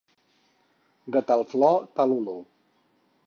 De tal flor, tal olor.